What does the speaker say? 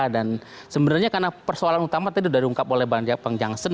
dan sebenarnya karena persoalan utama tadi sudah diungkap oleh bang jansen